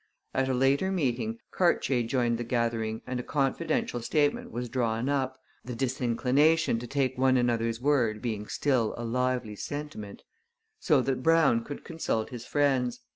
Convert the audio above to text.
At a later meeting Cartier joined the gathering and a confidential statement was drawn up (the disinclination to take one another's word being still a lively sentiment), so that Brown could consult his friends.